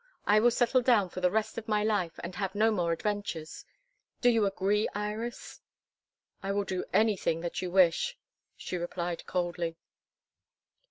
I will settle down for the rest of my life, and have no more adventures. Do you agree, Iris?" "I will do anything that you wish," she replied coldly.